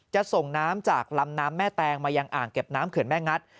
จะส่งน้ำจากลำน้ำแม่แตงมายังอ่างเก็บน้ำเขื่อนแม่งัด